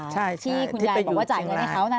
ใช่ที่ไปอยู่เชียงรายที่คุณยายบอกว่าจ่ายเงินให้เขาน่ะ